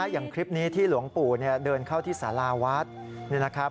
อย่างคลิปนี้ที่หลวงปู่เดินเข้าที่สาราวัด